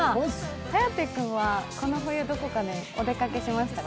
颯君はこの冬、どこかにお出かけしましたか？